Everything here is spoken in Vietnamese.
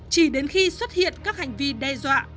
chỉ đến khi xuất hiện các hành vi đe dọa